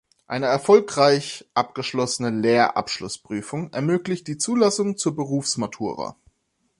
Eine erfolgreich abgeschlossene Lehrabschlussprüfung ermöglicht die Zulassung zur Berufsmatura.